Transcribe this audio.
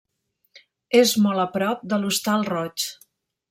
És molt a prop de l'Hostal Roig.